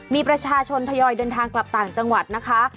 มีประชาชนทยอยเดินทางกลับต่างจังหวัดนะคะ